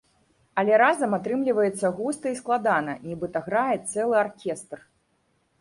Але разам атрымліваецца густа і складана, нібыта грае цэлы аркестр.